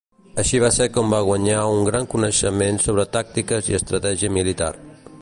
Així va ser com va guanyar un gran coneixement sobre tàctiques i estratègia militar.